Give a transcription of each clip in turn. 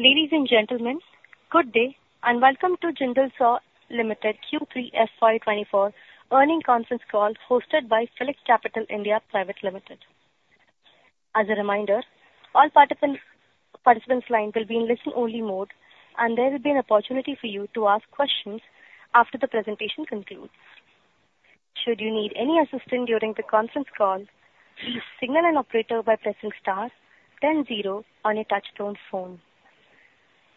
Ladies and gentlemen, good day, and welcome to Jindal SAW Limited Q3 FY24 earnings conference call, hosted by PhillipCapital (India) Private Limited. As a reminder, all participants line will be in listen-only mode, and there will be an opportunity for you to ask questions after the presentation concludes. Should you need any assistance during the conference call, signal an operator by pressing star, then zero on your touchtone phone.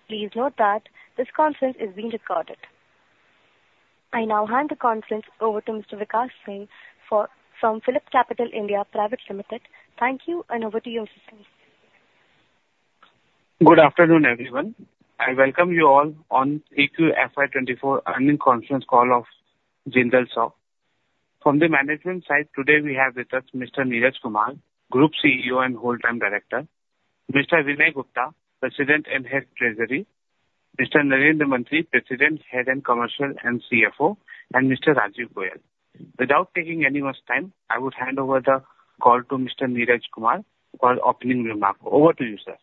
Please note that this conference is being recorded. I now hand the conference over to Mr. Vikas Singh from PhillipCapital (India) Private Limited. Thank you, and over to you, Mr. Singh. Good afternoon, everyone. I welcome you all on Q4 FY24 earnings conference call of Jindal SAW. From the management side, today we have with us Mr. Neeraj Kumar, Group CEO and Whole Time Director, Mr. Vinay Gupta, President and Head Treasury, Mr. Narendra Mantri, President, Head Commercial and CFO, and Mr. Rajeev Goyal. Without taking any more time, I would hand over the call to Mr. Neeraj Kumar for opening remark. Over to you, sir.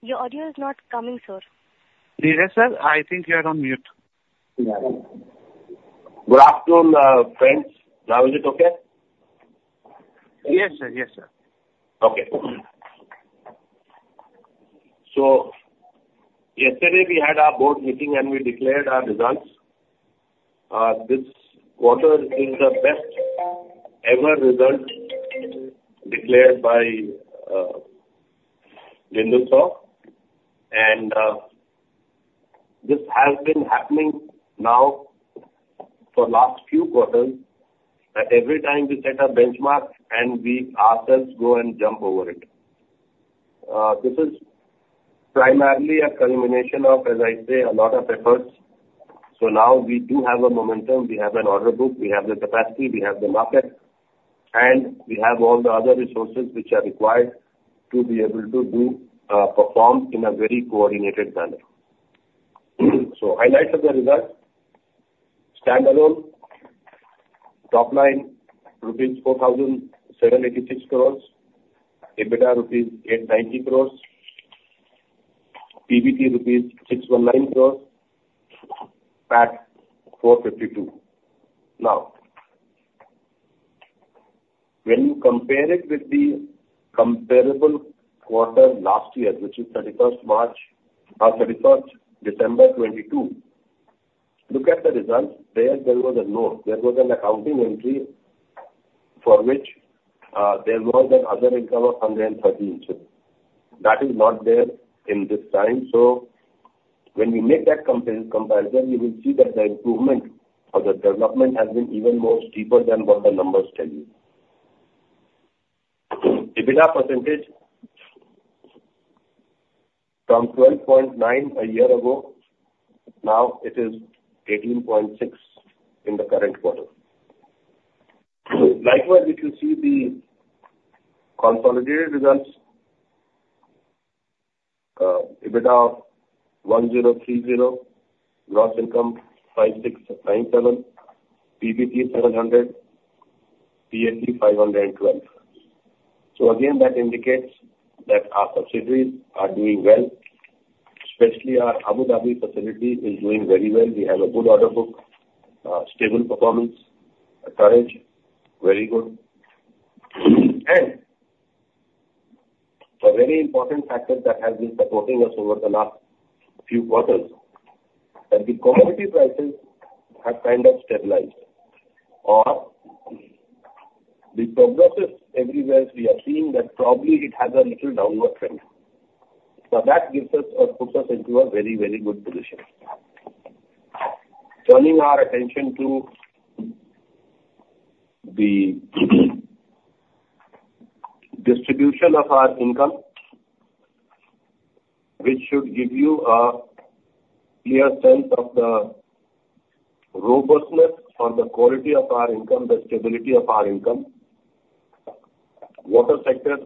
Your audio is not coming, sir. Neeraj, sir, I think you are on mute. Good afternoon, friends. Now is it okay? Yes, sir. Yes, sir. Okay. So yesterday we had our board meeting, and we declared our results. This quarter is the best ever result declared by Jindal SAW. This has been happening now for last few quarters, that every time we set a benchmark and we ourselves go and jump over it. This is primarily a culmination of, as I say, a lot of efforts. So now we do have a momentum, we have an order book, we have the capacity, we have the market, and we have all the other resources which are required to be able to do, perform in a very coordinated manner. So highlights of the results: standalone, top line rupees 4,786 crores, EBITDA rupees 890 crores, PBT rupees 619 crores, PAT 452 crores. Now, when you compare it with the comparable quarter last year, which is 31st March or 31st December 2022, look at the results. There, there was a note. There was an accounting entry for which, there was an other income of 130. That is not there in this time. So when we make that comparison, you will see that the improvement or the development has been even more steeper than what the numbers tell you. EBITDA percentage, from 12.9% a year ago, now it is 18.6% in the current quarter. Likewise, if you see the consolidated results, EBITDA 1,030, gross income 5,697, PBT 700, PAT 512. So again, that indicates that our subsidiaries are doing well, especially our Abu Dhabi facility is doing very well. We have a good order book, stable performance, encouraging, very good. And a very important factor that has been supporting us over the last few quarters, that the commodity prices have kind of stabilized, or the progresses everywhere we are seeing that probably it has a little downward trend. So that gives us or puts us into a very, very good position. Turning our attention to the distribution of our income, which should give you a clear sense of the robustness or the quality of our income, the stability of our income. Water sector,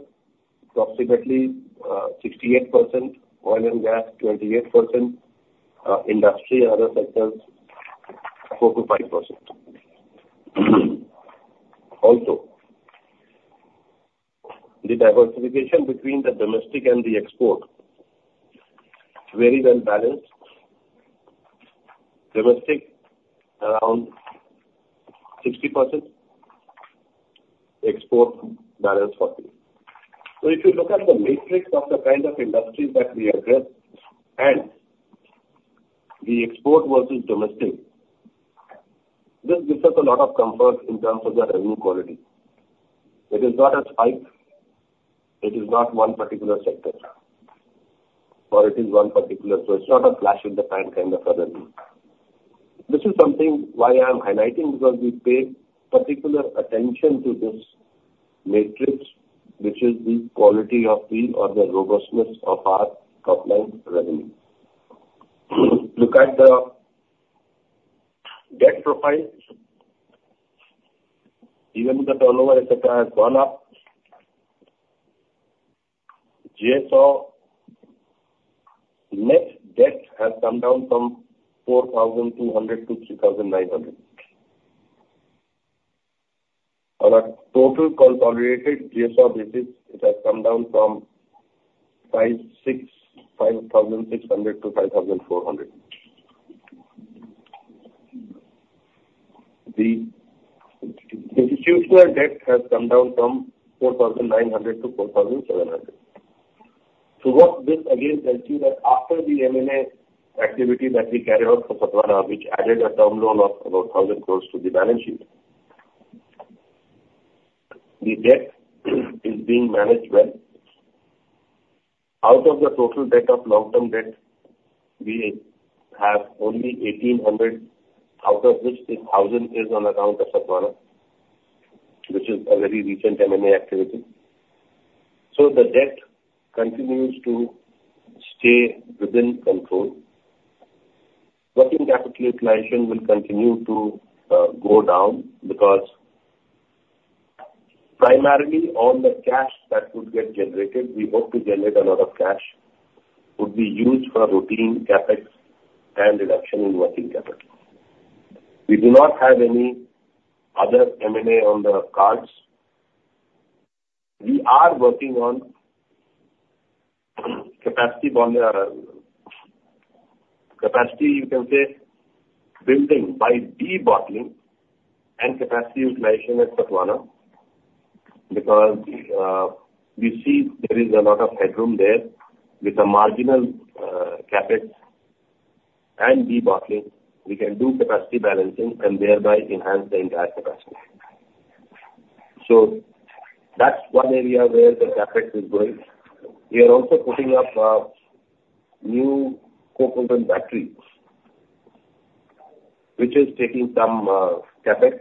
approximately 68%; oil and gas, 28%; industry and other sectors, 4%-5%. Also, the diversification between the domestic and the export, very well balanced. Domestic, around 60%, export, balance 40%. So if you look at the matrix of the kind of industries that we address and the export versus domestic, this gives us a lot of comfort in terms of the revenue quality. It is not a spike, it is not one particular sector, or it is one particular... So it's not a flash in the pan kind of revenue. This is something why I'm highlighting, because we pay particular attention to this matrix, which is the quality of the or the robustness of our top-line revenue. Look at the debt profile. Even the turnover et cetera, has gone up... Jindal SAW net debt has come down from 4,200 to 3,900. Our total consolidated Jindal SAW business, it has come down from 56, INR 5,600 to INR 5,400. The institutional debt has come down from 4,900 to 4,700. So what this again tells you that after the M&A activity that we carried out for Sathavahana, which added a term loan of about 1,000 crore to the balance sheet, the debt is being managed well. Out of the total debt of long-term debt, we have only 1,800, out of which 8,000 is on account of Sathavahana, which is a very recent M&A activity. So the debt continues to stay within control. Working capital utilization will continue to go down because primarily all the cash that would get generated, we hope to generate a lot of cash, would be used for routine CapEx and reduction in working capital. We do not have any other M&A on the cards. We are working on capacity building by debottlenecking and capacity utilization at Sathavahana, because we see there is a lot of headroom there. With a marginal CapEx and debottlenecking, we can do capacity balancing and thereby enhance the entire capacity. So that's one area where the CapEx is going. We are also putting up new coke oven batteries, which is taking some CapEx.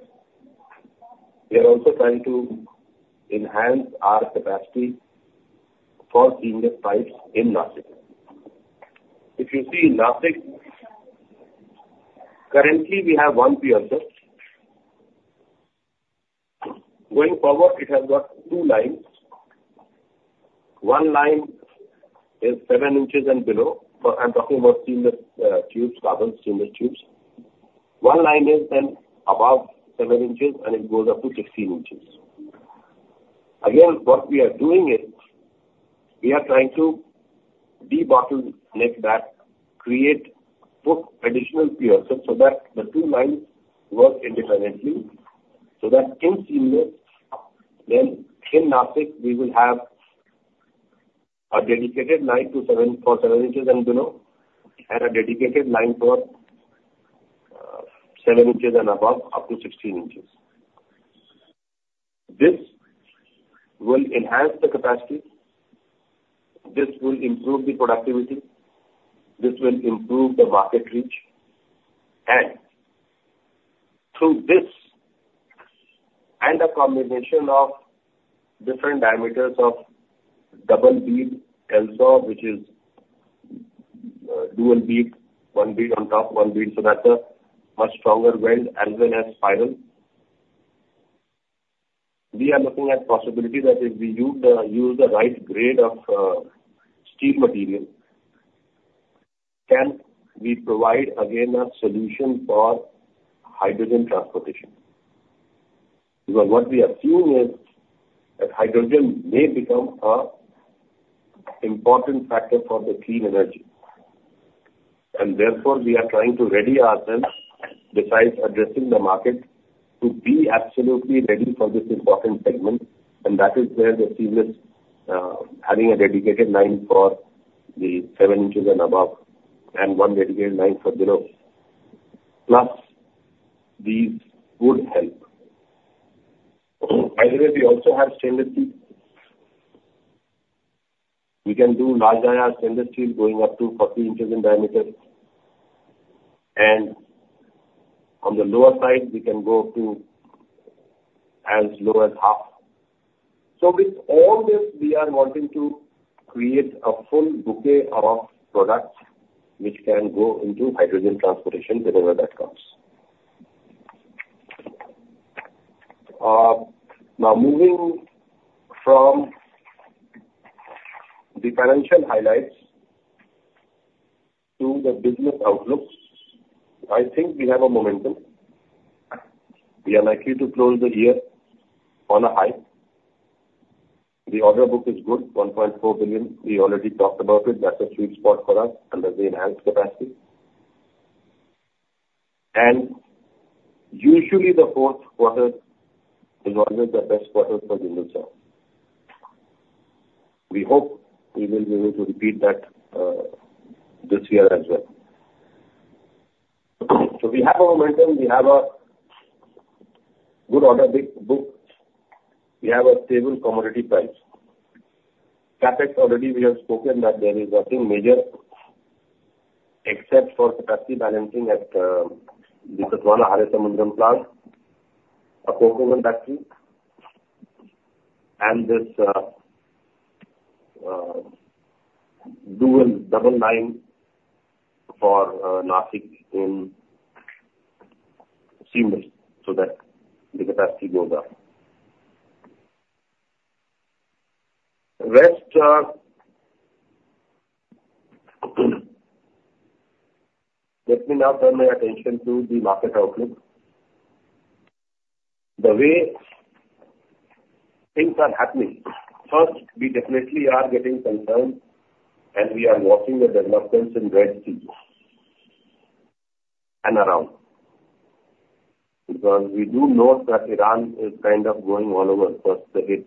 We are also trying to enhance our capacity for seamless pipes in Nashik. If you see Nashik, currently we have one piercer. Going forward, it has got two lines. One line is seven inches and below, but I'm talking about seamless tubes, carbon seamless tubes. One line is then above seven inches, and it goes up to 16 inches. Again, what we are doing is, we are trying to debottleneck back, create, put additional piercers so that the two lines work independently, so that in seamless, then in Nashik, we will have a dedicated line to 7—for 7 inches and below, and a dedicated line for 7 inches and above, up to 16 inches. This will enhance the capacity, this will improve the productivity, this will improve the market reach, and through this and a combination of different diameters of double bead LSAW which is dual bead, one bead on top, one bead, so that's a much stronger weld as well as spiral. We are looking at possibility that if we use the right grade of steel material, can we provide again a solution for hydrogen transportation? Because what we assume is that hydrogen may become an important factor for the clean energy, and therefore, we are trying to ready ourselves, besides addressing the market, to be absolutely ready for this important segment, and that is where the seamless, having a dedicated line for the 7 inches and above, and one dedicated line for below, plus these would help. By the way, we also have stainless steel. We can do large diameter stainless steel going up to 40 inches in diameter, and on the lower side, we can go to as low as 0.5. So with all this, we are wanting to create a full bouquet of products which can go into hydrogen transportation, wherever that comes. Now, moving from the financial highlights to the business outlooks, I think we have a momentum. We are likely to close the year on a high. The order book is good, $1.4 billion. We already talked about it. That's a sweet spot for us under the enhanced capacity. Usually, the fourth quarter is always the best quarter for Jindal SAW. We hope we will be able to repeat that this year as well. We have a momentum, we have a good order book, we have a stable commodity price. CapEx, already we have spoken that there is nothing major except for capacity balancing at the Sathavahana plant, a coke oven battery, and this dual double line for Nashik seamless so that the capacity goes up. Rest, let me now turn my attention to the market outlook. The way things are happening, first, we definitely are getting concerned, and we are watching the developments in Red Sea and around. Because we do know that Iran is kind of going all over, first they hit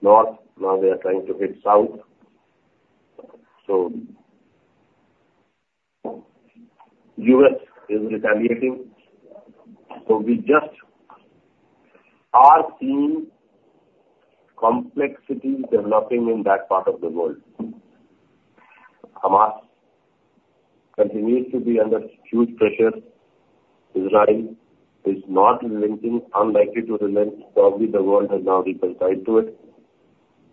north, now they are trying to hit south. So U.S. is retaliating, so we just are seeing complexities developing in that part of the world. Hamas continues to be under huge pressure. Israel is not relenting, unlikely to relent, probably the world has now reconciled to it,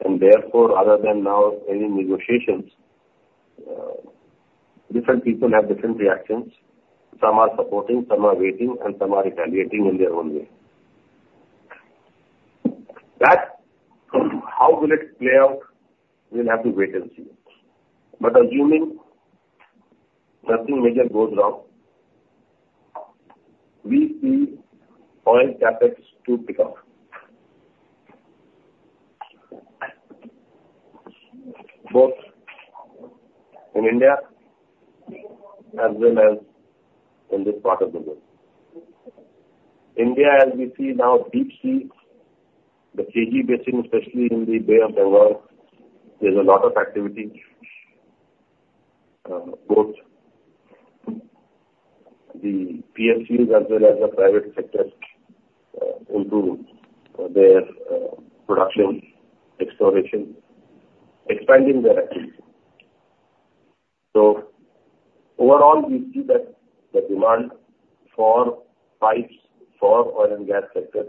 and therefore, rather than now any negotiations, different people have different reactions. Some are supporting, some are waiting, and some are retaliating in their own way. That, how will it play out? We'll have to wait and see. But assuming nothing major goes wrong, we see oil traffic to pick up, both in India as well as in this part of the world. India, as we see now, deep sea, the KG Basin, especially in the Bay of Bengal, there's a lot of activity, both the PSUs as well as the private sectors, into their, production, exploration, expanding their activity. So overall, we see that the demand for pipes, for oil and gas sector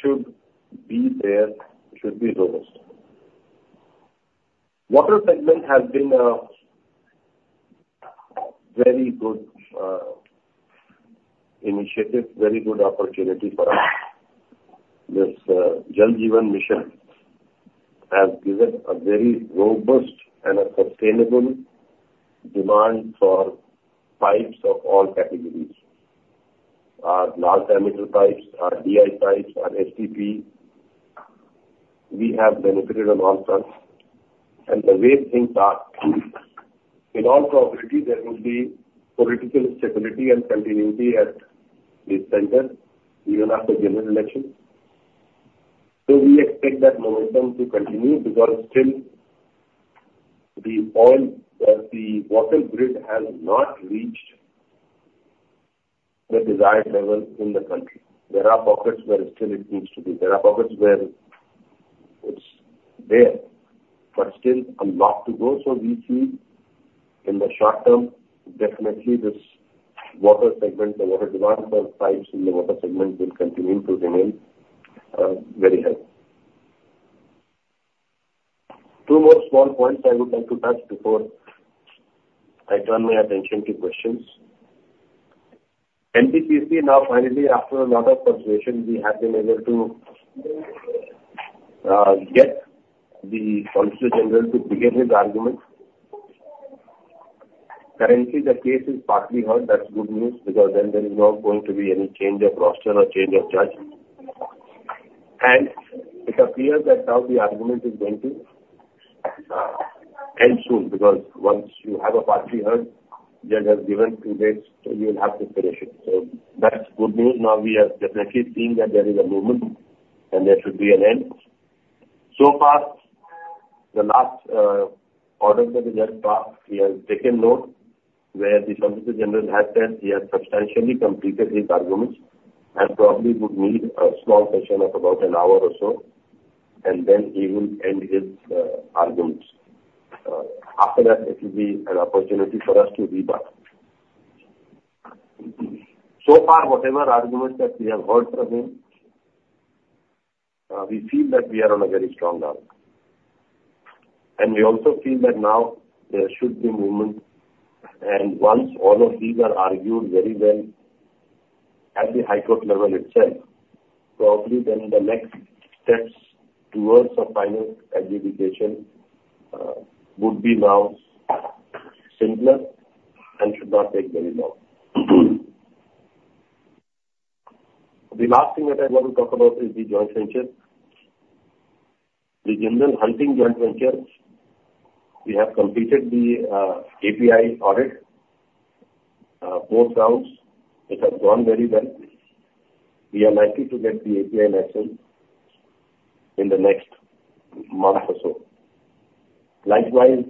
should be there, should be robust. Water segment has been a very good initiative, very good opportunity for us. This, Jal Jeevan Mission has given a very robust and a sustainable demand for pipes of all categories. Our large diameter pipes, our DI pipes, our HDPE, we have benefited on all fronts. And the way things are, in all probability, there will be political stability and continuity at the center even after general election. So we expect that momentum to continue because still the oil, the water grid has not reached the desired level in the country. There are pockets where still it needs to be. There are pockets where it's there, but still a lot to go. So we see in the short term, definitely this water segment, the water demand for pipes in the water segment will continue to remain, very high. Two more small points I would like to touch before I turn my attention to questions. NTPC, now finally, after a lot of persuasion, we have been able to, get the Solicitor General to begin his arguments. Currently, the case is partly heard. That's good news, because then there is not going to be any change of roster or change of judge. It appears that now the argument is going to end soon, because once you have a partly heard, judge has given two dates, so you'll have to finish it. That's good news. Now, we are definitely seeing that there is a movement and there should be an end. So far, the last order that we had passed, we have taken note where the Solicitor General had said he has substantially completed his arguments and probably would need a small session of about an hour or so, and then he will end his arguments. After that, it will be an opportunity for us to rebut. So far, whatever arguments that we have heard from him, we feel that we are on a very strong ground. And we also feel that now there should be movement, and once all of these are argued very well at the High Court level itself, probably then the next steps towards a final adjudication would be now simpler and should not take very long. The last thing that I want to talk about is the joint venture. The Jindal Hunting joint venture, we have completed the API audit four rounds. It has gone very well. We are likely to get the API license in the next month or so. Likewise,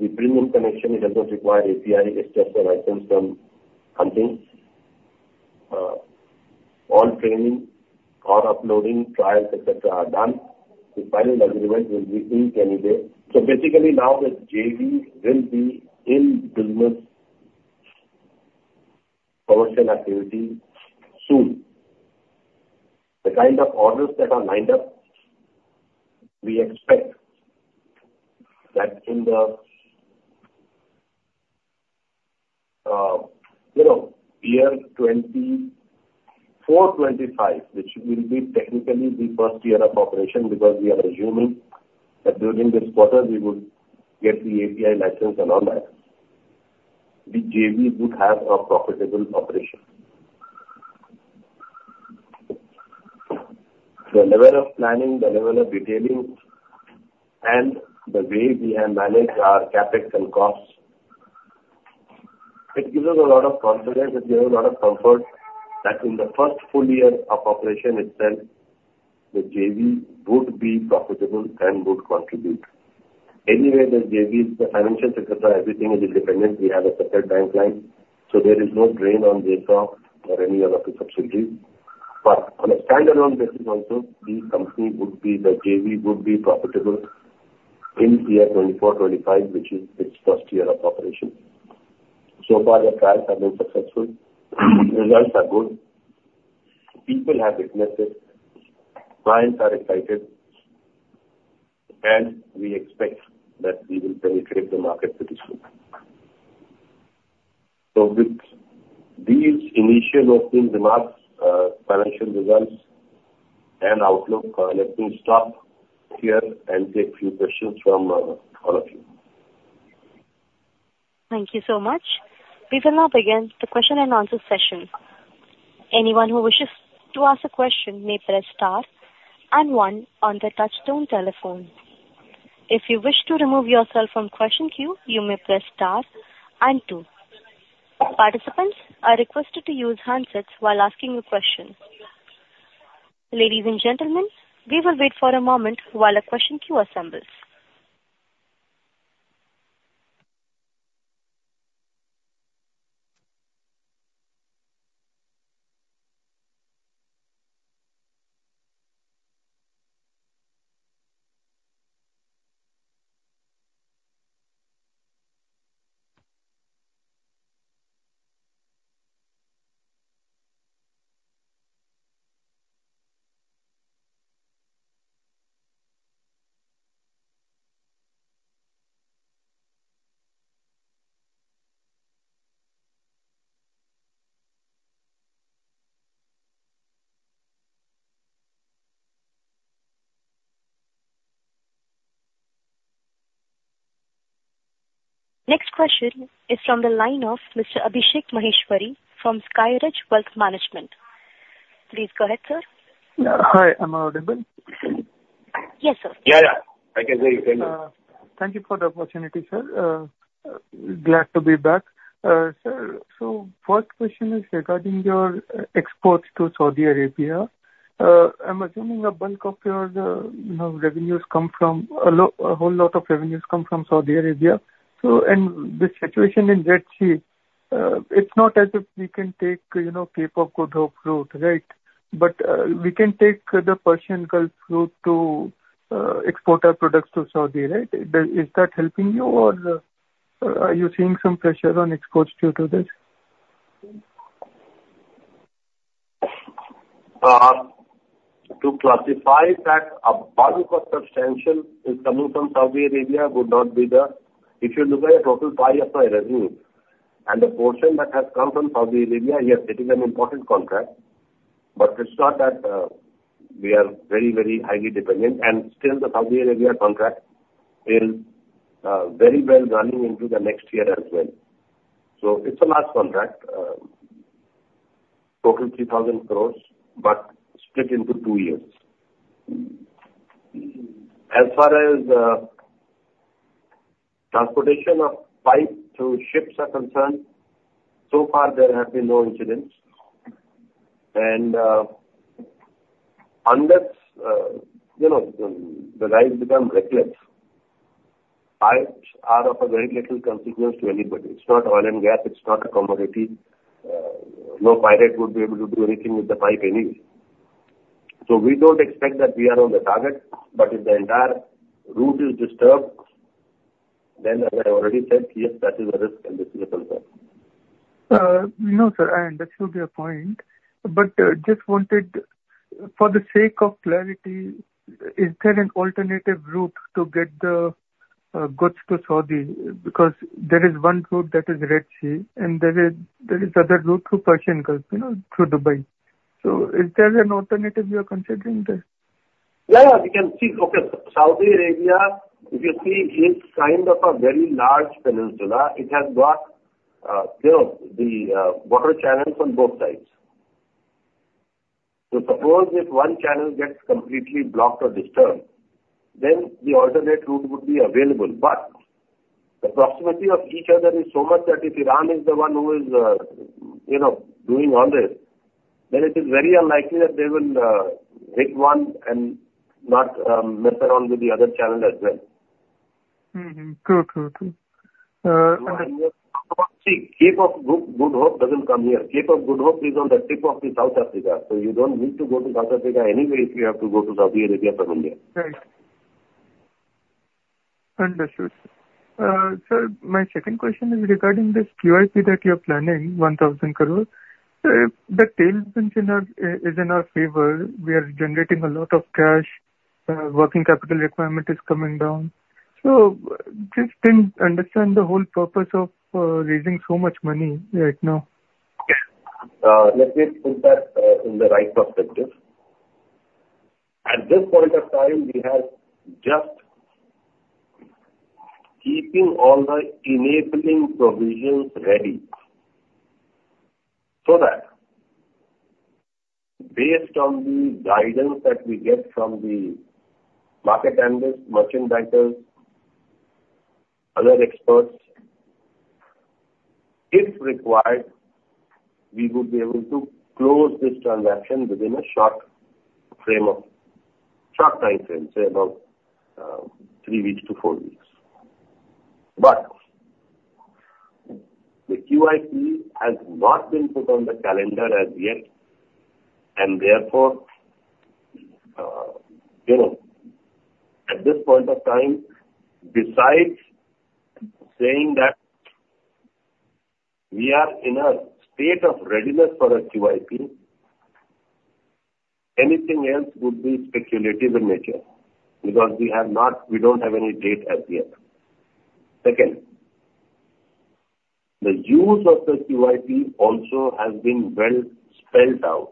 the premium connection it does require API tester items from Hunting. All training, all uploading, trials, et cetera, are done. The final agreement will be inked any day. So basically now the JV will be in business commercial activity soon. The kind of orders that are lined up, we expect that in the, you know, year 2024-2025, which will be technically the first year of operation, because we are assuming that during this quarter we would get the API license and all that, the JV would have a profitable operation. The level of planning, the level of detailing, and the way we have managed our CapEx and costs, it gives us a lot of confidence, it gives us a lot of comfort that in the first full year of operation itself, the JV would be profitable and would contribute. Anyway, the JV's, the financial sector, everything is independent. We have a separate bank line, so there is no drain on JIindal SAW or any other of the subsidiaries. But on a standalone basis also, the company would be, the JV would be profitable in year 2024, 2025, which is its first year of operation. So far, the trials have been successful, results are good, people have witnessed it, clients are excited, and we expect that we will penetrate the market with this group. So with these initial opening remarks, financial results and outlook, let me stop here and take few questions from all of you. Thank you so much. We will now begin the question and answer session. Anyone who wishes to ask a question may press star and one on the touchtone telephone. If you wish to remove yourself from question queue, you may press star and two. Participants are requested to use handsets while asking a question. Ladies and gentlemen, we will wait for a moment while a question queue assembles. Next question is from the line of Mr. Abhishek Maheshwari from SkyRidge Wealth Management. Please go ahead, sir. Hi, am I audible? Yes, sir. Yeah. Yeah, I can hear you very well. Thank you for the opportunity, sir. Glad to be back. Sir, so first question is regarding your exports to Saudi Arabia. I'm assuming a bulk of your, you know, revenues come from a whole lot of revenues come from Saudi Arabia. So, and the situation in Red Sea, it's not as if we can take, you know, Cape of Good Hope route, right? But, we can take the Persian Gulf route to export our products to Saudi, right? Is that, is that helping you, or, are you seeing some pressure on exports due to this? To classify that a bulk of substantial is coming from Saudi Arabia would not be the... If you look at the total pie of my revenue and the portion that has come from Saudi Arabia, yes, it is an important contract, but it's not that we are very, very highly dependent. And still the Saudi Arabia contract is very well running into the next year as well. So it's a large contract, total 3,000 crore, but split into two years. As far as transportation of pipe through ships are concerned, so far there have been no incidents. And unless you know the guys become reckless, pipes are of a very little consequence to anybody. It's not oil and gas, it's not a commodity. No pirate would be able to do anything with the pipe anyway. We don't expect that we are on the target, but if the entire route is disturbed, then as I already said, yes, that is a risk and it is also. No, sir, and that should be a point. But just wanted, for the sake of clarity, is there an alternative route to get the goods to Saudi? Because there is one route that is Red Sea, and there is other route through Persian Gulf, you know, through Dubai. So is there an alternative you are considering there? Yeah. Yeah, we can see. Okay. Saudi Arabia, if you see, it's kind of a very large peninsula. It has got, you know, the water channels on both sides. So suppose if one channel gets completely blocked or disturbed, then the alternate route would be available. But the proximity of each other is so much that if Iran is the one who is, you know, doing all this, then it is very unlikely that they will hit one and not mess around with the other channel as well. Mm-hmm. True, true, true. See, Cape of Good Hope doesn't come here. Cape of Good Hope is on the tip of the South Africa, so you don't need to go to South Africa anyway, if you have to go to Saudi Arabia from India. Right.... Understood. So my second question is regarding this QIP that you're planning, 1,000 crore. Sir, the tailwind is in our, is in our favor. We are generating a lot of cash, working capital requirement is coming down. So just didn't understand the whole purpose of, raising so much money right now. Let me put that in the right perspective. At this point of time, we have just keeping all the enabling provisions ready, so that based on the guidance that we get from the market analysts, merchant bankers, other experts, if required, we would be able to close this transaction within a short time frame, say about, 3-4 weeks. But the QIP has not been put on the calendar as yet, and therefore, you know, at this point of time, besides saying that we are in a state of readiness for a QIP, anything else would be speculative in nature, because we don't have any date as yet. Second, the use of the QIP also has been well spelled out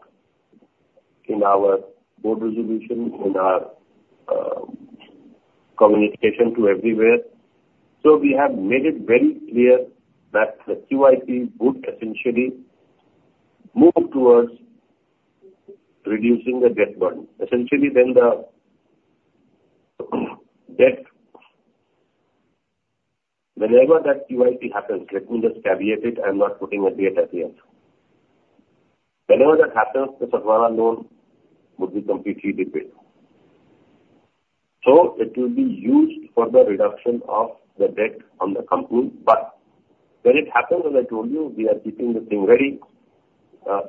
in our board resolution, in our communication to everywhere. So we have made it very clear that the QIP would essentially move towards reducing the debt burden. Essentially, then the debt... Whenever that QIP happens, let me just caveat it, I'm not putting a date at the end. Whenever that happens, the Sathavahana loan would be completely repaid. So it will be used for the reduction of the debt on the company. But when it happens, as I told you, we are keeping the thing very...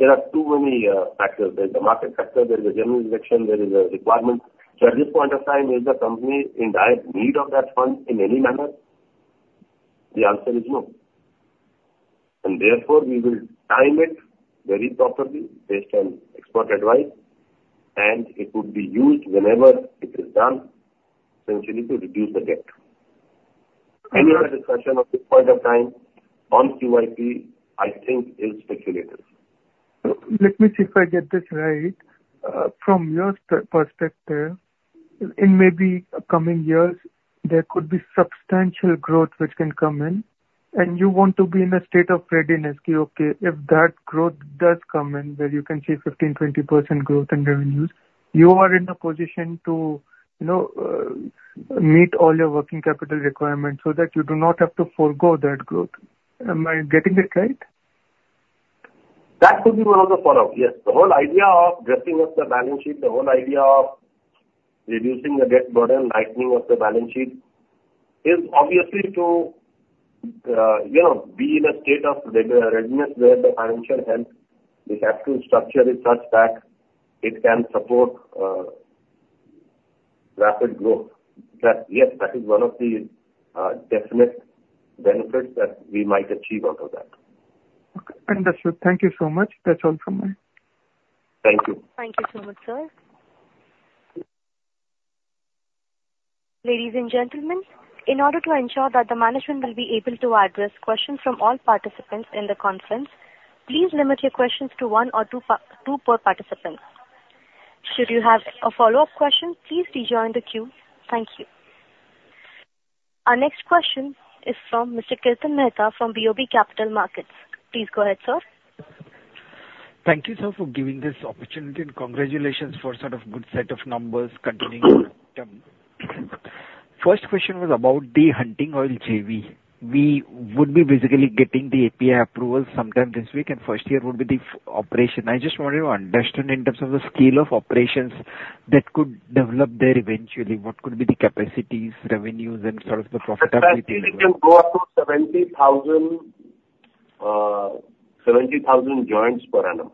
There are too many factors. There is the market factor, there is a general election, there is a requirement. So at this point of time, is the company in dire need of that fund in any manner? The answer is no. And therefore, we will time it very properly based on expert advice, and it would be used whenever it is done, essentially to reduce the debt. Any other discussion at this point of time on QIP, I think is speculative. Let me see if I get this right. From your perspective, in maybe coming years, there could be substantial growth which can come in, and you want to be in a state of readiness, okay? If that growth does come in, where you can see 15%-20% growth in revenues, you are in a position to, you know, meet all your working capital requirements so that you do not have to forgo that growth. Am I getting it right? That could be one of the follow-up, yes. The whole idea of dressing up the balance sheet, the whole idea of reducing the debt burden, lightening of the balance sheet, is obviously to, you know, be in a state of readiness, where the financial health, the capital structure is such that it can support, rapid growth. That, yes, that is one of the, definite benefits that we might achieve out of that. Understood. Thank you so much. That's all from me. Thank you. Thank you so much, sir. Ladies and gentlemen, in order to ensure that the management will be able to address questions from all participants in the conference, please limit your questions to one or two per participant. Should you have a follow-up question, please rejoin the queue. Thank you. Our next question is from Mr. Kirtan Mehta, from BOB Capital Markets. Please go ahead, sir. Thank you, sir, for giving this opportunity, and congratulations for sort of good set of numbers continuing. First question was about the Hunting JV. We would be basically getting the API approval sometime this week, and first year would be the first operation. I just wanted to understand in terms of the scale of operations that could develop there eventually, what could be the capacities, revenues, and sort of the profitability? The capacity can go up to 70,000, 70,000 joints per annum.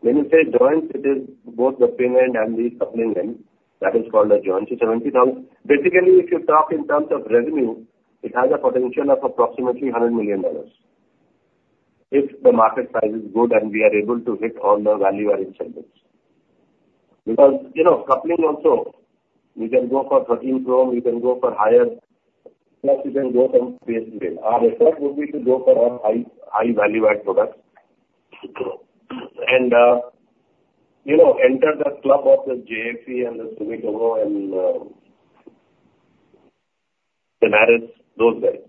When you say joints, it is both the pin end and the coupling end, that is called a joint. So 70,000. Basically, if you talk in terms of revenue, it has a potential of approximately $100 million, if the market size is good and we are able to hit all the value-add incentives. Because, you know, coupling also, we can go for 13 chrome, we can go for higher, plus we can go from base grade. Our effort would be to go for a high, high value-add products. And, you know, enter the club of the JFE and the Sumitomo and, then audit those guys.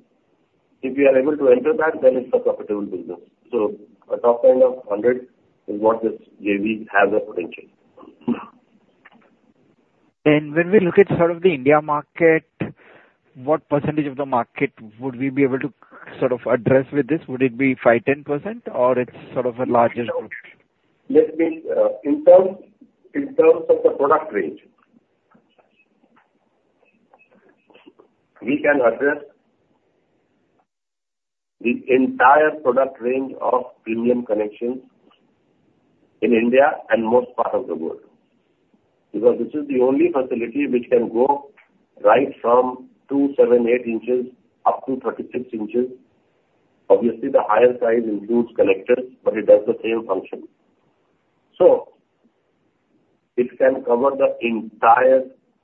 If you are able to enter that, then it's a profitable business. So the top end of 100 is what this JV has the potential. When we look at sort of the India market, what percentage of the market would we be able to sort of address with this? Would it be 5, 10%, or it's sort of a larger group? Let me, in terms of the product range, we can address the entire product range of premium connections in India and most part of the world, because this is the only facility which can go right from 2 7/8 inches up to 36 inches. Obviously, the higher side includes collectors, but it does the same function. So it can cover the entire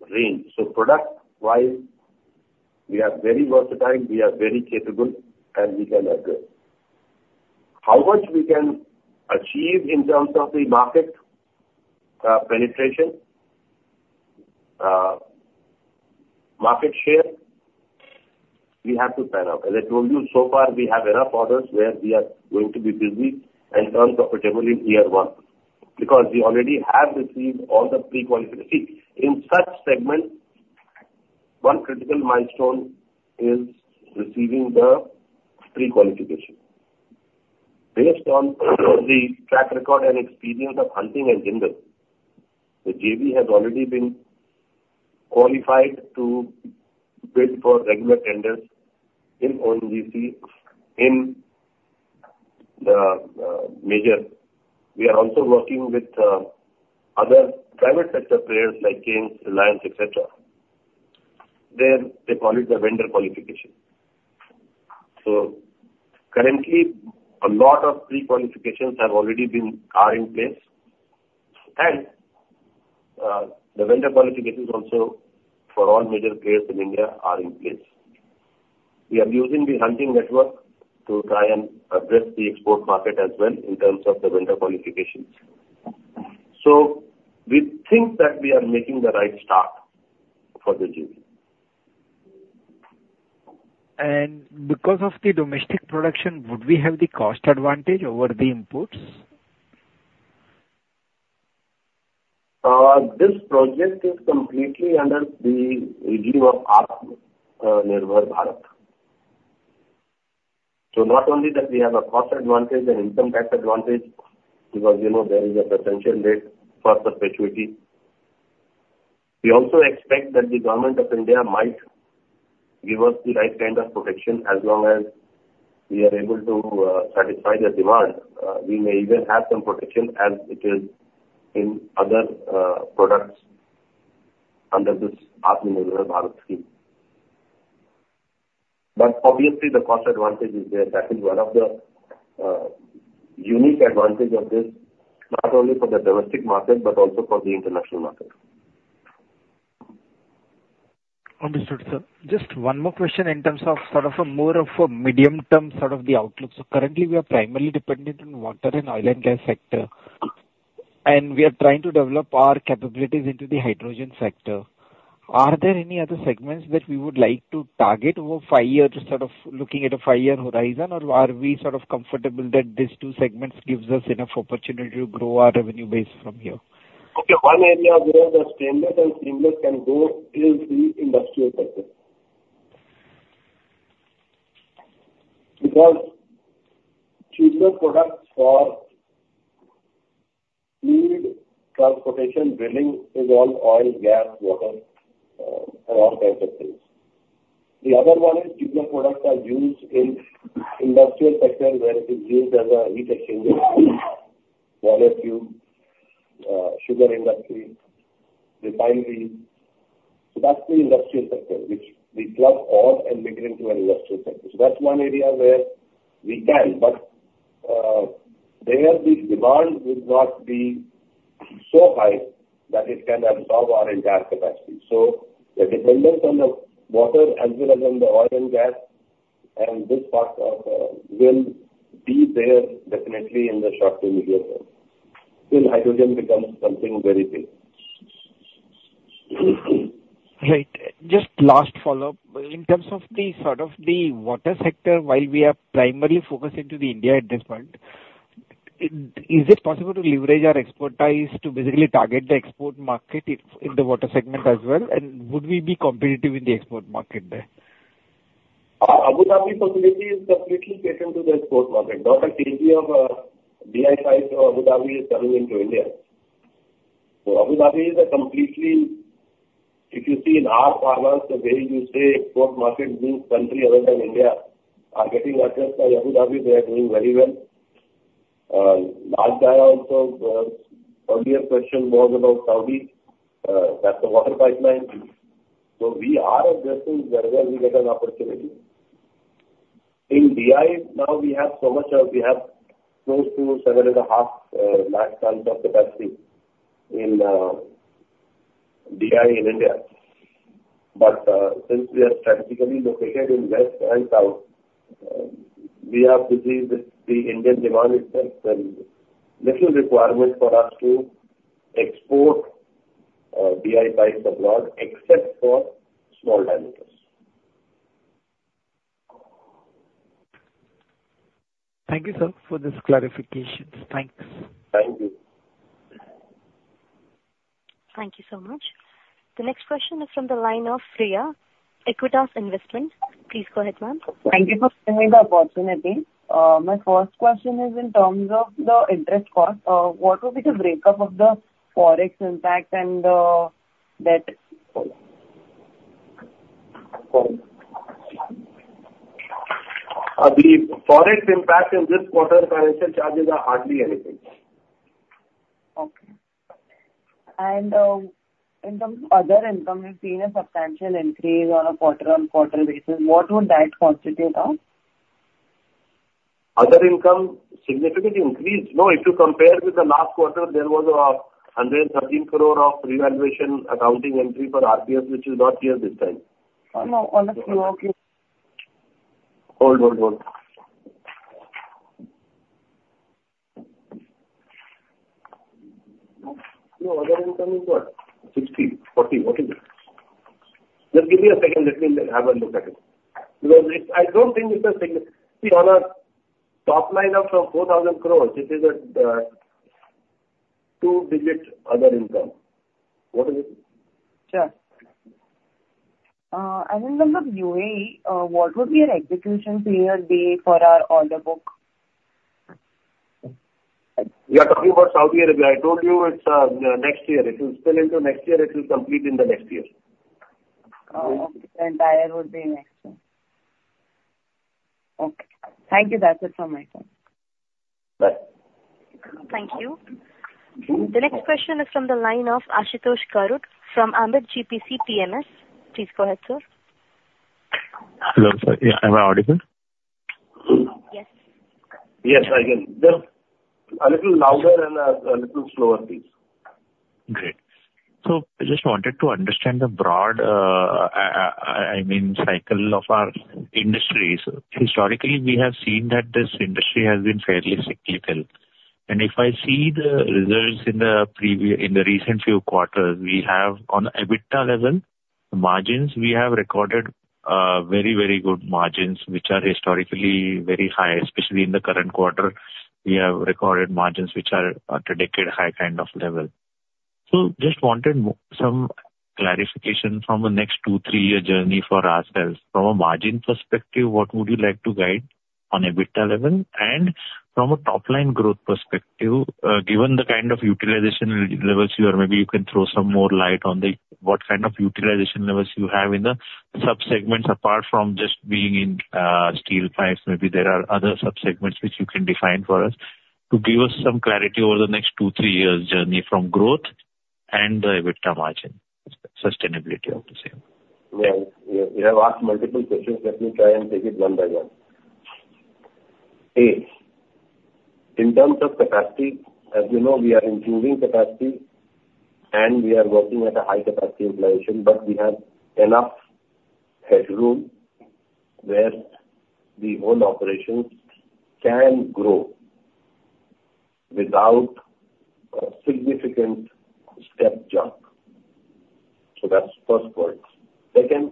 range. So product wise, we are very versatile, we are very capable, and we can upgrade. How much we can achieve in terms of the market penetration, market share, we have to find out. As I told you, so far, we have enough orders where we are going to be busy and earn profitably in year one, because we already have received all the pre-qualification. See, in such segments, one critical milestone is receiving the pre-qualification. Based on the track record and experience of Hunting and Jindal, the JV has already been qualified to bid for regular tenders in ONGC in the major. We are also working with other private sector players like Reliance, et cetera. There, they call it the vendor qualification. So currently, a lot of pre-qualifications are in place, and the vendor qualifications also for all major players in India are in place. We are using the Hunting network to try and address the export market as well in terms of the vendor qualifications. So we think that we are making the right start for the JV. Because of the domestic production, would we have the cost advantage over the imports? This project is completely under the aegis of Atmanirbhar Bharat. So not only that we have a cost advantage, an income tax advantage, because, you know, there is a potential rate for perpetuity. We also expect that the government of India might give us the right kind of protection. As long as we are able to satisfy the demand, we may even have some protection as it is in other products under this Atmanirbhar Bharat scheme. But obviously, the cost advantage is there. That is one of the unique advantage of this, not only for the domestic market, but also for the international market. Understood, sir. Just one more question in terms of sort of a more of a medium term, sort of the outlook. So currently, we are primarily dependent on water and oil and gas sector, and we are trying to develop our capabilities into the hydrogen sector. Are there any other segments that we would like to target over five years, sort of looking at a five-year horizon? Or are we sort of comfortable that these two segments gives us enough opportunity to grow our revenue base from here? Okay, one area where the stainless and seamless can go is the industrial sector. Because cheaper products for fluid, transportation, drilling is all oil, gas, water, and all kinds of things. The other one is cheaper products are used in industrial sector, where it is used as a heat exchanger, boiler tube, sugar industry, refinery. So that's the industrial sector which we plug all and into an industrial sector. So that's one area where we can, but, there the demand will not be so high that it can absorb our entire capacity. So the dependence on the water as well as on the oil and gas and this part of, will be there definitely in the short to medium term, till hydrogen becomes something very big. Right. Just last follow-up. In terms of the sort of the water sector, while we are primarily focused into the India at this point, is it possible to leverage our expertise to basically target the export market in the water segment as well? And would we be competitive in the export market there? Abu Dhabi facility is completely catering to the export market. Not a kg of DI pipe from Abu Dhabi is coming into India. So Abu Dhabi is a completely... If you see in our performance, the way you say export market in country other than India are getting addressed by Abu Dhabi, they are doing very well. Last time also, the earlier question was about Saudi, that's the water pipeline. So we are addressing wherever we get an opportunity. In DI, now we have so much of, we have close to 7.5 lakh tons of capacity in DI in India. But, since we are strategically located in west and south, we are busy with the Indian demand itself and little requirement for us to export DI pipes abroad, except for small diameters. Thank you, sir, for this clarifications. Thanks. Thank you. Thank you so much. The next question is from the line of Priya, Equitas Investment. Please go ahead, ma'am. Thank you for giving the opportunity. My first question is in terms of the interest cost, what will be the breakup of the Forex impact and, debt? The forex impact in this quarter financial charges are hardly anything. Okay. In terms of other income, we've seen a substantial increase on a quarter-over-quarter basis. What would that constitute of? Other income significantly increased. No, if you compare with the last quarter, there was 113 crore of revaluation accounting entry for RPS, which is not here this time. Oh, no. Okay. Hold, hold, hold. No, other income is what? 60/40, what is it? Just give me a second. Let me have a look at it. Because it's - I don't think it's significant. See, on a top line of 4,000 crore, it is at two digits other income. What is it? Sure. In terms of UAE, what would be an execution clear date for our order book? You are talking about Saudi Arabia. I told you it's next year. It will spill into next year. It will complete in the next year. Oh, okay. The entire would be next year. Okay. Thank you. That's it from my side. Bye. Thank you. The next question is from the line of Ashutosh Garud from Ambit Asset Management GCP PMS. Please go ahead, sir. Hello, sir. Yeah. Am I audible? Yes. Yes, I can. Just a little louder and a little slower, please. Great. So I just wanted to understand the broad, I mean, cycle of our industries. Historically, we have seen that this industry has been fairly cyclical, and if I see the results in the recent few quarters, we have on EBITDA level, margins, we have recorded, very, very good margins, which are historically very high, especially in the current quarter, we have recorded margins which are a decade high kind of level. So just wanted some clarification from the next 2-3-year journey for ourselves. From a margin perspective, what would you like to guide on EBITDA level and from a top-line growth perspective, given the kind of utilization levels you are, maybe you can throw some more light on the, what kind of utilization levels you have in the sub-segments, apart from just being in, steel pipes, maybe there are other sub-segments which you can define for us, to give us some clarity over the next two, three years' journey from growth and the EBITDA margin, sustainability, I have to say. Yeah. You have asked multiple questions. Let me try and take it one by one. A, in terms of capacity, as you know, we are improving capacity, and we are working at a high capacity utilization, but we have enough headroom where the whole operation can grow without a significant step jump. So that's first point. Second,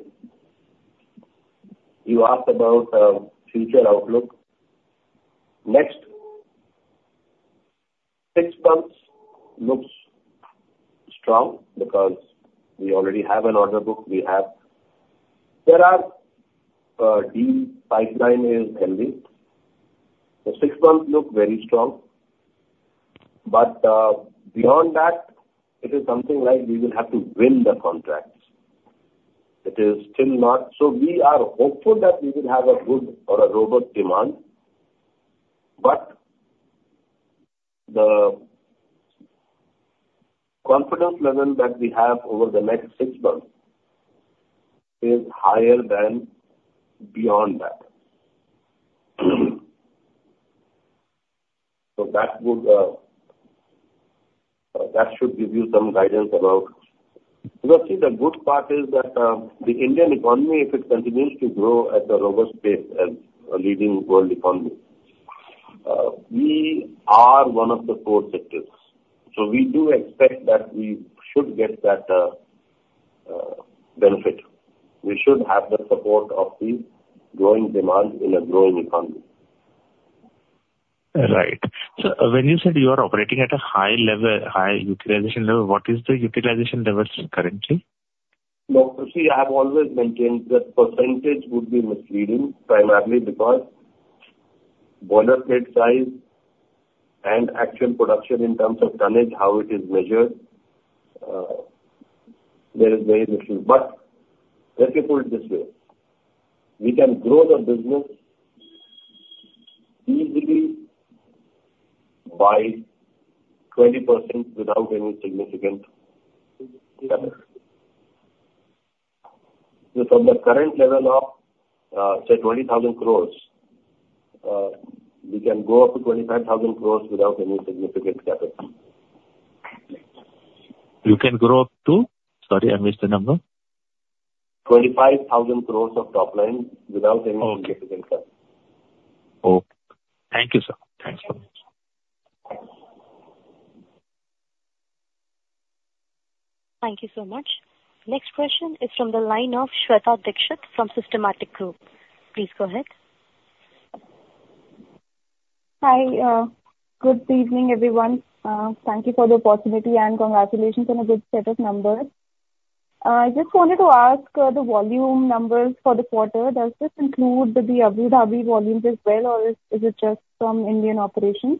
you asked about future outlook. Next six months looks strong because we already have an order book, we have... There are the pipeline is healthy. The six months look very strong, but beyond that, it is something like we will have to win the contracts. It is still not... So we are hopeful that we will have a good or a robust demand, but the confidence level that we have over the next six months is higher than beyond that. So that would, that should give you some guidance about... Because, see, the good part is that, the Indian economy, if it continues to grow at a robust pace as a leading world economy, we are one of the core sectors, so we do expect that we should get that, benefit. We should have the support of the growing demand in a growing economy. Right. So when you said you are operating at a high level, high utilization level, what is the utilization levels currently? No, see, I have always maintained that percentage would be misleading, primarily because uncertain and actual production in terms of tonnage, how it is measured, there is very little. But let me put it this way, we can grow the business easily by 20% without any significant capital. Because the current level of, say, 20,000 crore, we can go up to 25,000 crore without any significant capital. You can grow up to? Sorry, I missed the number. 25,000 crore of top line without any significant capital. Okay. Thank you, sir. Thanks so much. Thank you so much. Next question is from the line of Shweta Dixit from Systematix Group. Please go ahead. Hi. Good evening, everyone. Thank you for the opportunity, and congratulations on a good set of numbers. I just wanted to ask, the volume numbers for the quarter, does this include the Abu Dhabi volumes as well, or is it just from Indian operations?...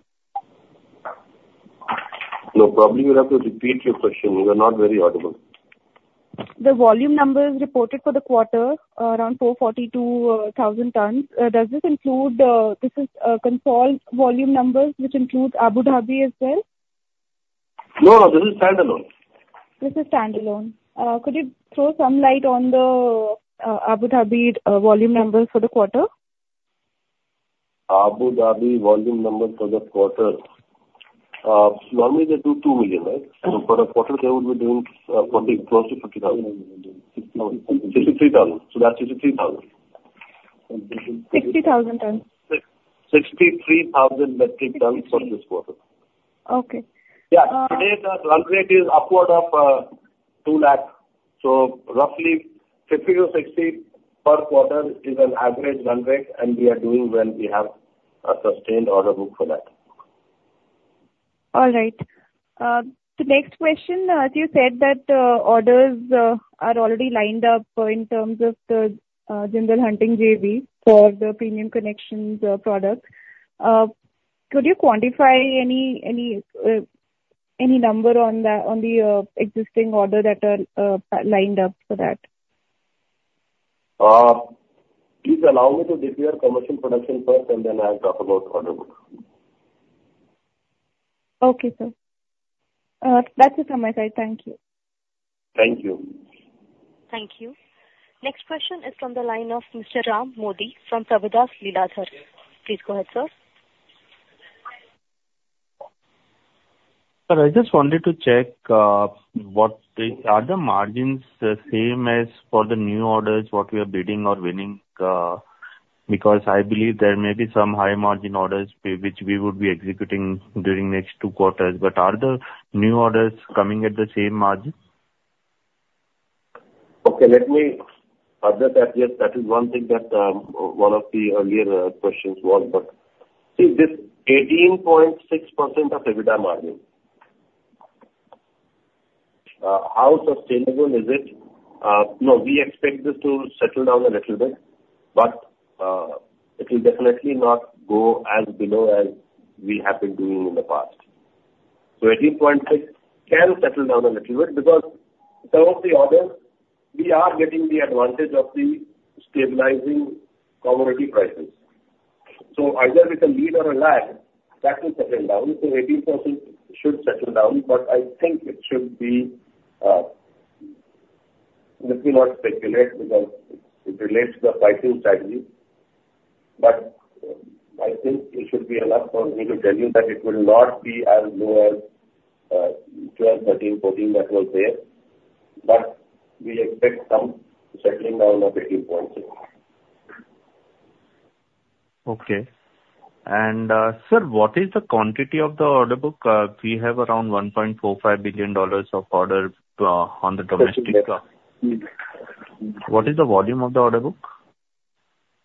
No, probably you'll have to repeat your question. You are not very audible. The volume numbers reported for the quarter, around 442,000 tons, does this include, this is, consolidated volume numbers, which include Abu Dhabi as well? No, no, this is standalone. This is standalone. Could you throw some light on the Abu Dhabi volume numbers for the quarter? Abu Dhabi volume numbers for the quarter, normally they do 2 million, right? So for a quarter, they would be doing something close to 50,000. 63,000. So that's 63,000. 60,000 tons? 63,000 metric tons for this quarter. Okay. Yeah. Today, the run rate is upward of 2 lakh. So roughly 50-60 per quarter is an average run rate, and we are doing well. We have a sustained order book for that. All right. The next question, you said that orders are already lined up in terms of the Jindal Hunting JV for the premium connections products. Could you quantify any number on the existing order that are lined up for that? Please allow me to declare commercial production first, and then I'll talk about order book. Okay, sir. That's it from my side. Thank you. Thank you. Thank you. Next question is from the line of Mr. Ram Modi from Prabhudas Lilladher. Please go ahead, sir. Sir, I just wanted to check, what the... Are the margins the same as for the new orders, what we are bidding or winning, because I believe there may be some high margin orders which we would be executing during next two quarters, but are the new orders coming at the same margin? Okay, let me add that, yes, that is one thing that, one of the earlier, questions was, but see this 18.6% EBITDA margin, how sustainable is it? No, we expect this to settle down a little bit, but, it will definitely not go as below as we have been doing in the past. So 18.6 can settle down a little bit because some of the orders, we are getting the advantage of the stabilizing commodity prices. So either with a lead or a lag, that will settle down. So 18% should settle down, but I think it should be, let me not speculate because it relates to the pricing strategy, but I think it should be enough for me to tell you that it will not be as low as, 12, 13, 14 that was there, but we expect some settling down of 18.6. Okay. And, sir, what is the quantity of the order book? We have around $1.45 billion of orders on the domestic front. Yes. What is the volume of the order book?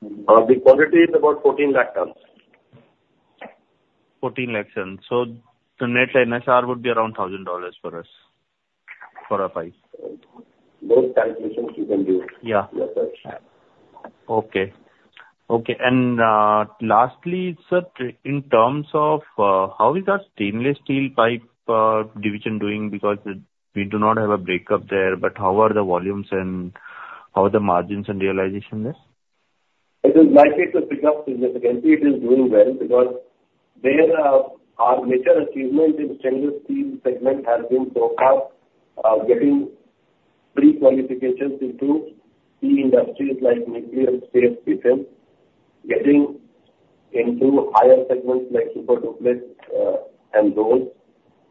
The quantity is about 1,400,000 tons. 1,400,000 tons. The net NSR would be around $1,000 for us, for a pipe. Those calculations you can do. Yeah. Yes, sir. Okay. Okay, and, lastly, sir, in terms of, how is our stainless steel pipe division doing? Because we do not have a breakup there, but how are the volumes and how are the margins and realization there? It is likely to pick up significantly. It is doing well because there, our major achievement in the stainless steel segment has been so far, getting pre-qualifications into key industries like nuclear space system, getting into higher segments like super duplex, and those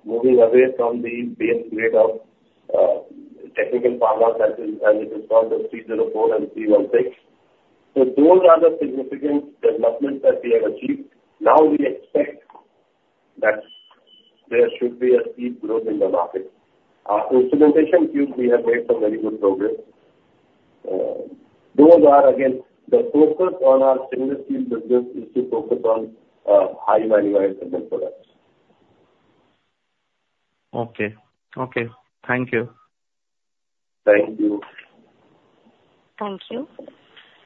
moving away from the base grade of, technical parlance, that is, as it is called, the 304 and 316. So those are the significant developments that we have achieved. Now we expect that there should be a steep growth in the market. Instrumentation field, we have made some very good progress. Those are, again, the focus on our stainless steel business is to focus on, high value-added products. Okay. Okay, thank you. Thank you. Thank you.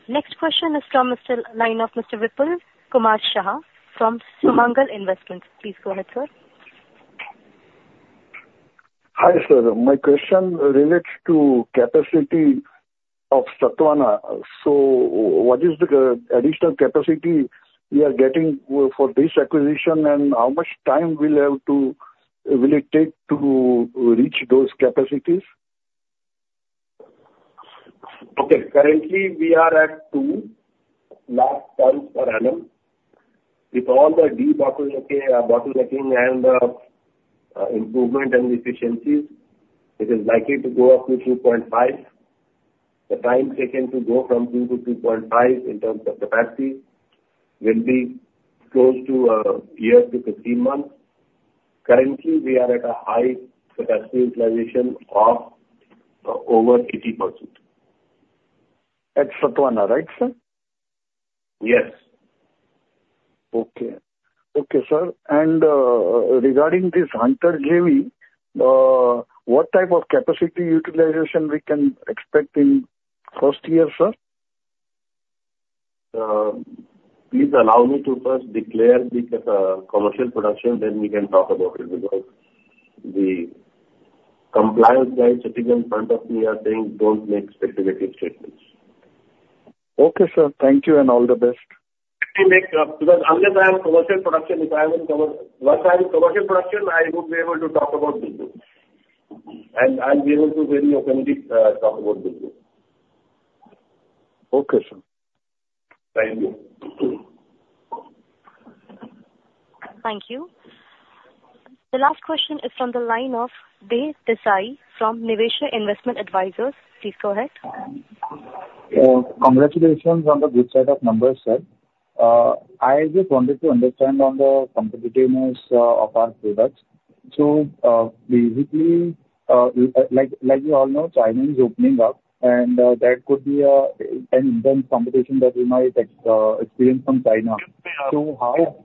Next question is from the line of Mr. Vipul Kumar Shah from Sumangal Investments. Please go ahead, sir. Hi, sir. My question relates to capacity of Sathavahana. So what is the additional capacity we are getting for this acquisition, and how much time will it take to reach those capacities? Okay. Currently, we are at 200,000 tons per annum. With all the debottlenecking and improvement and efficiencies, it is likely to go up to 2.5. The time taken to go from 2 to 2.5 in terms of capacity will be close to a year to 15 months. Currently, we are at a high capacity utilization of over 80%. At Sathavahana, right, sir? Yes. Okay. Okay, sir, and regarding this Hunting JV, what type of capacity utilization we can expect in first year, sir? Please allow me to first declare this as a commercial production, then we can talk about it, because the compliance guys sitting in front of me are saying, "Don't make speculative statements. Okay, sir. Thank you, and all the best. Because unless I have commercial production, if I will cover. Once I have commercial production, I would be able to talk about this, and I'll be able to very openly talk about this with you. Okay, sir. Thank you. Thank you. The last question is from the line of Dev Desai from Niveshaay Investment Advisors. Please go ahead. Congratulations on the good set of numbers, sir. I just wanted to understand on the competitiveness of our products. So, basically, like you all know, China is opening up, and that could be an intense competition that we might experience from China. So how-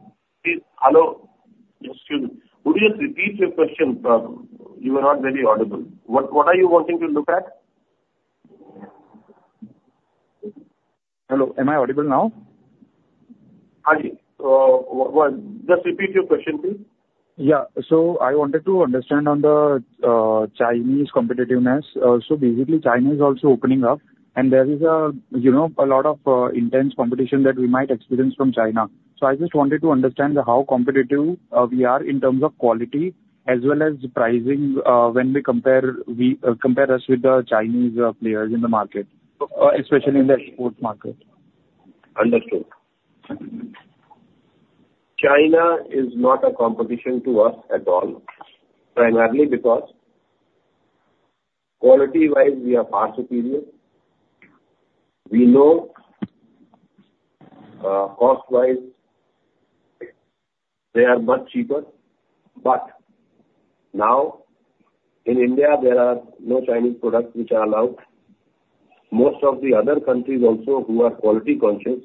Hello? Excuse me. Would you just repeat your question, please? You are not very audible. What, what are you wanting to look at? Hello, am I audible now? Hi. Just repeat your question, please. Yeah. So I wanted to understand on the, Chinese competitiveness. So basically China is also opening up, and there is a, you know, a lot of, intense competition that we might experience from China. So I just wanted to understand how competitive, we are in terms of quality as well as pricing, when we compare us with the Chinese, players in the market, especially in the export market. Understood. China is not a competition to us at all, primarily because quality-wise, we are far superior. We know, cost-wise, they are much cheaper. But now, in India, there are no Chinese products which are allowed. Most of the other countries also, who are quality conscious,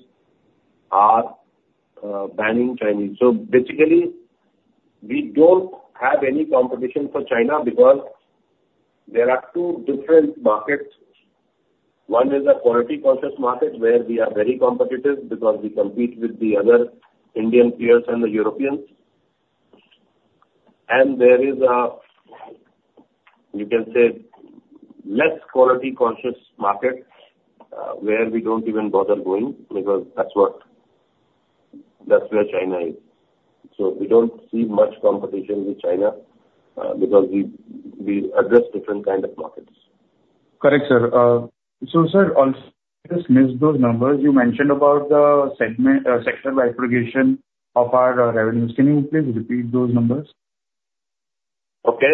are banning Chinese. So basically, we don't have any competition from China because there are two different markets. One is a quality conscious market, where we are very competitive because we compete with the other Indian peers and the Europeans. And there is a, you can say, less quality conscious market, where we don't even bother going, because that's what... That's where China is. So we don't see much competition with China, because we, we address different kind of markets. Correct, sir. So, sir, also, I just missed those numbers. You mentioned about the segment, sector-wide aggregation of our revenues. Can you please repeat those numbers? Okay.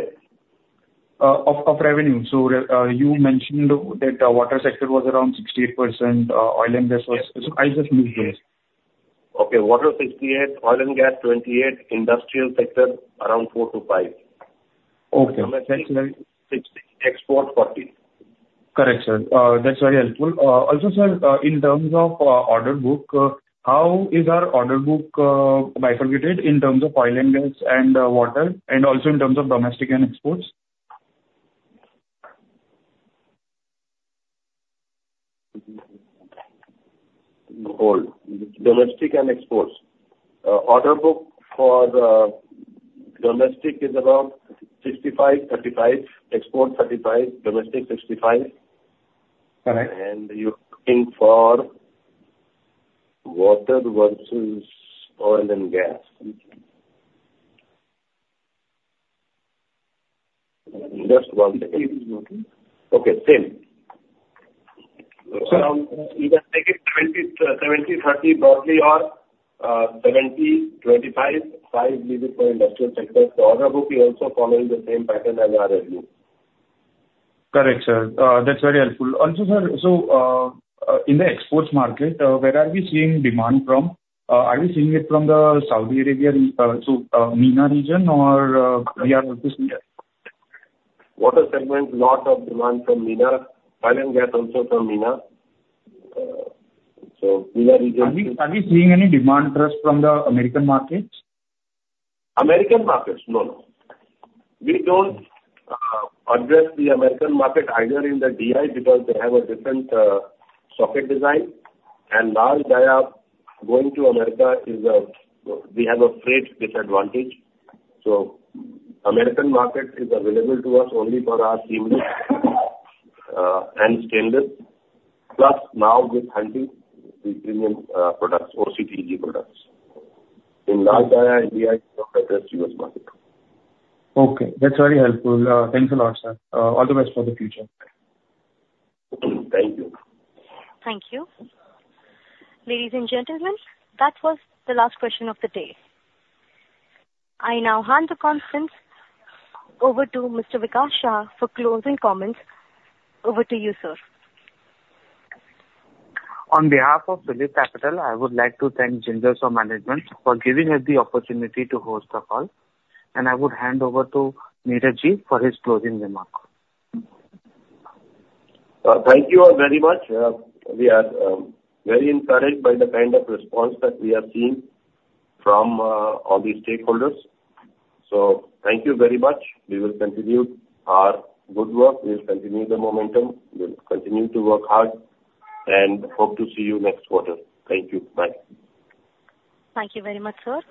Of revenue. So, you mentioned that the water sector was around 68%, oil and gas was... So I just missed here. Okay. Water, 68. Oil and gas, 28. Industrial sector, around 4-5. Okay. That's very- Export, forty. Correct, sir. That's very helpful. Also, sir, in terms of order book, how is our order book bifurcated in terms of oil and gas and water, and also in terms of domestic and exports? Hold. Domestic and exports. Order book for the domestic is around 65-35. Export, 35. Domestic, 65. Correct. You're looking for water versus oil and gas. Just one second. Okay, same. Sir- You can take it 70/30 broadly or 70/25/5 maybe for industrial sector. So order book is also following the same pattern as our revenue. Correct, sir. That's very helpful. Also, sir, so, in the exports market, where are we seeing demand from? Are we seeing it from the Saudi Arabia, so, MENA region, or, we are also seeing it? Water segment, lot of demand from MENA. Oil and gas, also from MENA. So MENA region- Are we, are we seeing any demand growth from the American markets? American markets? No, no. We don't address the American market either in the DI because they have a different socket design, and large dia going to America is a, we have a freight disadvantage. So American market is available to us only for our seamless and stainless, plus now with Hunting the premium products or premium products. In large dia and DI, we don't address US market. Okay, that's very helpful. Thanks a lot, sir. All the best for the future. Thank you. Thank you. Ladies and gentlemen, that was the last question of the day. I now hand the conference over to Mr. Vikash Singh for closing comments. Over to you, sir. On behalf of PhillipCapital, I would like to thank Jindal SAW Management for giving us the opportunity to host the call, and I would hand over to Neerajji for his closing remarks. Thank you all very much. We are very encouraged by the kind of response that we are seeing from all the stakeholders. So thank you very much. We will continue our good work, we will continue the momentum, we'll continue to work hard, and hope to see you next quarter. Thank you. Bye. Thank you very much, sir.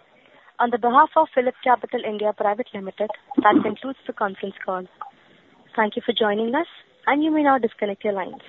On behalf of PhillipCapital India Private Limited, that concludes the conference call. Thank you for joining us, and you may now disconnect your lines.